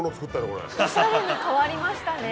おしゃれに変わりましたね。